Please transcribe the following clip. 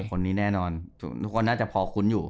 คนนี้แน่นอนทุกคนน่าจะพอคุ้นอยู่